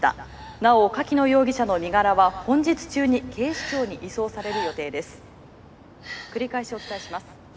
なお柿野容疑者の身柄は本日中に警視庁に移送される。